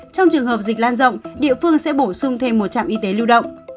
trong trường hợp dịch lan rộng địa phương sẽ bổ sung thêm một trạm y tế lưu động